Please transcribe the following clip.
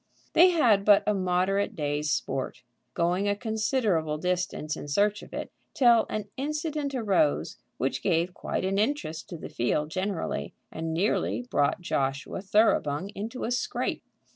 They had but a moderate day's sport, going a considerable distance in search of it, till an incident arose which gave quite an interest to the field generally, and nearly brought Joshua Thoroughbung into a scrape.